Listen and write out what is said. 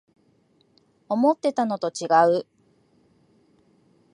思ってたのとちがう